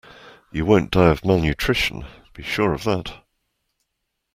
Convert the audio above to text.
You won't die of malnutrition, be sure of that.